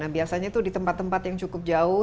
biasanya itu di tempat tempat yang cukup jauh